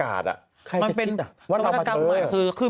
มากกว่าข้างนอกเลย